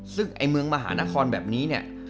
ซึ่งไอ้เมืองมหานครแบบนี้เนี่ย